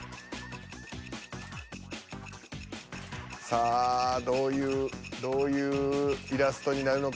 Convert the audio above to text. さあどういうどういうイラストになるのか。